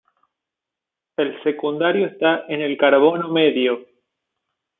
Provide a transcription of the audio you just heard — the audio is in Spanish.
El secundario está en el carbono medio.